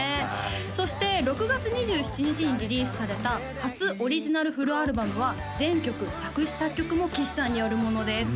そして６月２７日にリリースされた初オリジナルフルアルバムは全曲作詞作曲も岸さんによるものです